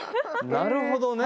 なるほどね。